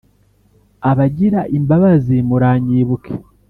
abagira imbabazi muranyibuke